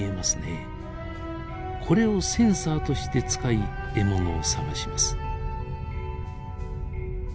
これをセンサーとして使い獲物を探します。